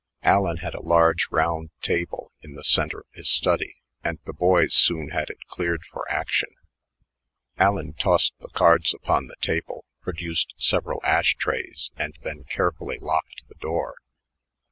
Allen had a large round table in the center of his study, and the boys soon had it cleared for action. Allen tossed the cards upon the table, produced several ash trays, and then carefully locked the door.